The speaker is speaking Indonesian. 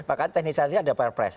makanya teknisnya tadi ada perpres